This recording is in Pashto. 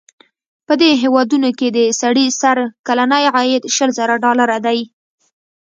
په دې هېوادونو کې د سړي سر کلنی عاید شل زره ډالره دی.